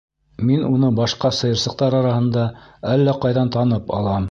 Мин уны башҡа сыйырсыҡтар араһында әллә ҡайҙан танып алам.